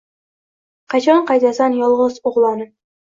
Qachon qaytasan yolgiz uglonim?